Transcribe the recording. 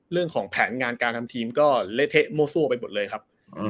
เรื่องของแผนงานการทำทีมก็เละเทะมั่วไปหมดเลยครับ